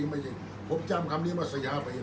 อันไหนที่มันไม่จริงแล้วอาจารย์อยากพูด